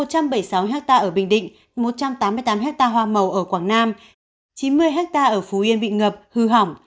một trăm bảy mươi sáu ha ở bình định một trăm tám mươi tám hectare hoa màu ở quảng nam chín mươi hectare ở phú yên bị ngập hư hỏng